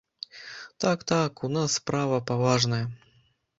Так, так, у нас справа паважная.